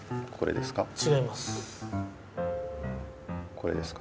これですか？